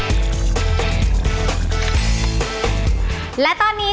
ที่พักหลักร้อยของอร่อยหลักสิบ